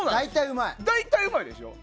大体うまいでしょ。